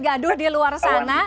cuma ada banyak gaduh di luar sana